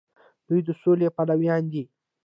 دوی د سولې پلویان دي.